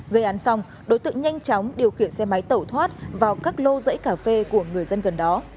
gây án xong đối tượng nhanh chóng điều khiển xe máy tẩu thoát vào các lô rẫy cà phê của người dân gần đó